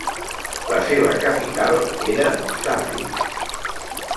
La seva capital era Safi.